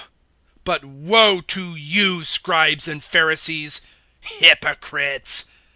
(13)But woe to you, scribes and Pharisees, hypocrites!